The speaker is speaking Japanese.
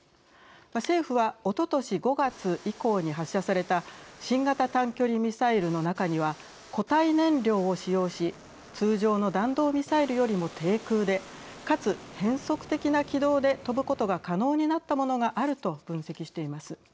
政府はおととし５月以降に発射された新型短距離ミサイルの中には固体燃料を使用し通常の弾道ミサイルよりも低空でかつ変則的な軌道で飛ぶことが可能になったものがあると分析しています。